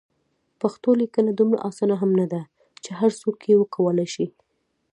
پښتو لیکنه دومره اسانه هم نده چې هر څوک یې وکولای شي.